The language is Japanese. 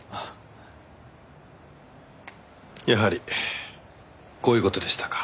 やはりこういう事でしたか。